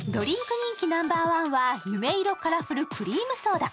人気ナンバーワンは夢色からふるクリームソーダ。